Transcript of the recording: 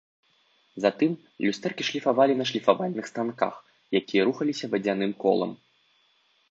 Затым люстэркі шліфавалі на шліфавальных станках, якія рухаліся вадзяным колам.